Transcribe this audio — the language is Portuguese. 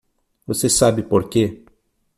Você sabe porque?